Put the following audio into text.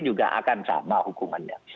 juga akan sama hukumannya